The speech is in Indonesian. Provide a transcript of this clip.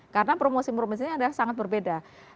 karena promosi promosi ini adalah sangat berbeda